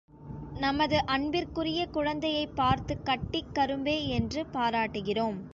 நமது அன்பிற்குரிய குழந்தையைப் பார்த்துக் கட்டிக் கரும்பே என்று பாராட்டுகிறோம்.